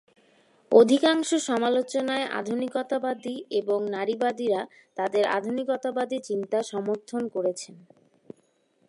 অধিকাংশ সমালোচনায় আধুনিকতাবাদী এবং নারীবাদীরা তাদের আধুনিকতাবাদী চিন্তা সমর্থন করেছেন।